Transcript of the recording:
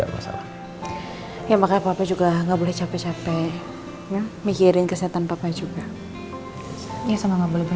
ya makanya papa juga nggak boleh capek capek mikirin kesetan papa juga ya sama nggak boleh